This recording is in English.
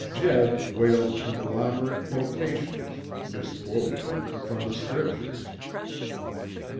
Jeb wailed conglomerate quotations, misquoted, from the Scriptures.